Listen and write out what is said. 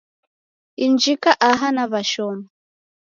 Injika aha naw'ashoma.